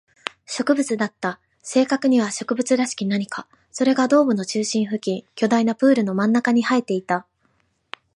植物だった。正確には植物らしき何か。それがドームの中心付近、巨大なプールの真ん中に生えていた。